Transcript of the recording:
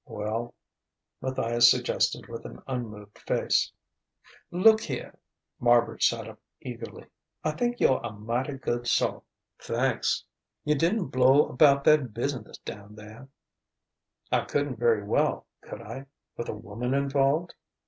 "Well?" Matthias suggested with an unmoved face. "Look here...." Marbridge sat up eagerly. "I think you're a mighty good sort " "Thanks!" "You didn't blow about that business down there " "I couldn't very well could I? with a woman involved!"